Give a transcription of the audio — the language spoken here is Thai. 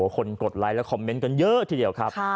กดไลค์และคอมเมนต์กันเยอะทีเดียวครับ